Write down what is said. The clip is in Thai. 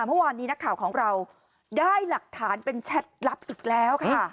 เมื่อวานนี้นักข่าวของเราได้หลักฐานเป็นแชทลับอีกแล้วค่ะ